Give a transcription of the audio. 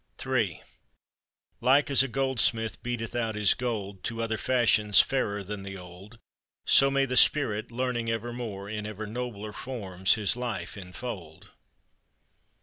Ill Like as a goldsmith beateth out his gold To other fashions fairer than the old, So may the Spirit, learning ever more, In ever nobler forms his life infold.